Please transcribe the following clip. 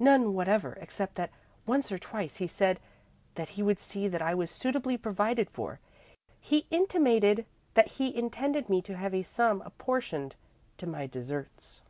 "None whatever, except that once or twice he said that he would see that I was suitably provided for. He intimated that he intended me to have a sum apportioned to my deserts."